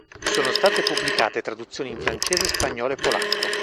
Sono state pubblicate traduzioni in francese, spagnolo e polacco.